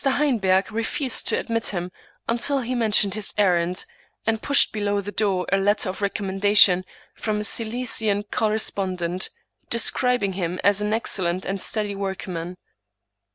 Heinberg refused to admit him, until he mentioned his errand, and pushed below the door a letter of recommendation from a Silesian correspondent, describing him as an excellent and steady workman.